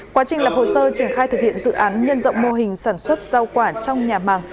quá trình lập hồ sơ triển khai thực hiện dự án nhân rộng mô hình sản xuất rau quả trong nhà màng